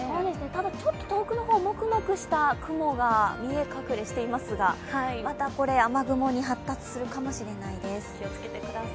ただ、遠くの方、もくもくした雲が見え隠れしていますが、また雨雲に発達するかもしれないです。